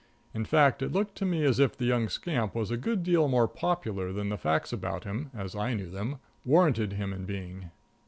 In fact, it looked to me as if the young scamp was a good deal more popular than the facts about him, as I knew them, warranted him in being.